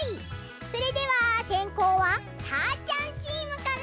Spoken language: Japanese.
それではせんこうはたーちゃんチームから！